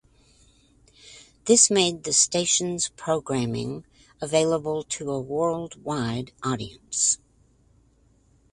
This made the station's programming available to a worldwide audience.